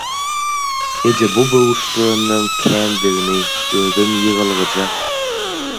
– Eje, bu böwürslenleň kändigini, özem ýygylgyja.